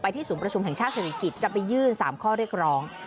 ที่ศูนย์ประชุมแห่งชาติศิริกิจจะไปยื่น๓ข้อเรียกร้อง